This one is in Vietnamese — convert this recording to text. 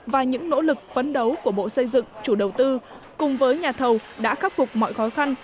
và những nỗ lực vấn đấu của bộ xây dựng chủ đầu tư cùng với nhà thầu đã khắc phục mọi khó khăn